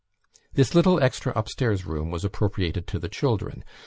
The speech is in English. This little extra upstairs room was appropriated to the children.